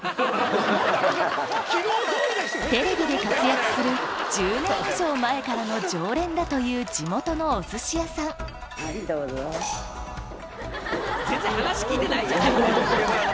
テレビで活躍する１０年以上前からの常連だという地元のお寿司屋さんはいどうぞ。